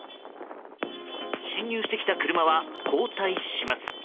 進入してきた車は後退します。